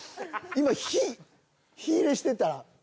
いま火火入れしてたら。